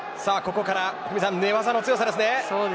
ここから寝技の強さです。